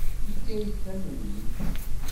Yefka-iyi-d tamrint.